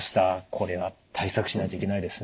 これは対策しないといけないですね。